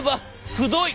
「くどい！